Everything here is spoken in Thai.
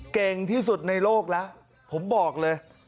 เก่งที่สุดในโลกแล้วผมบอกเลย